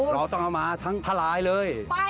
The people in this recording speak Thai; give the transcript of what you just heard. เราต้องเอามาทั้งทลายเลย